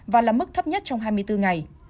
và là mức thấp nhất trong hai mươi bốn ngày